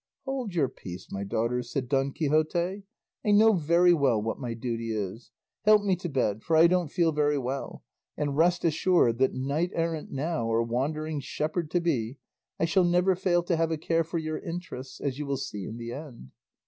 "Hold your peace, my daughters," said Don Quixote; "I know very well what my duty is; help me to bed, for I don't feel very well; and rest assured that, knight errant now or wandering shepherd to be, I shall never fail to have a care for your interests, as you will see in the end."